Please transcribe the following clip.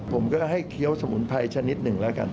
ผมก็ให้เคี้ยวสมุนไพรชนิดหนึ่งแล้วกัน